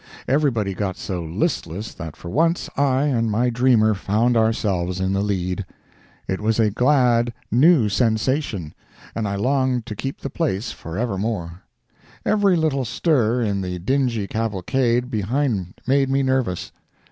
Everybody got so listless that for once I and my dreamer found ourselves in the lead. It was a glad, new sensation, and I longed to keep the place forevermore. Every little stir in the dingy cavalcade behind made me nervous.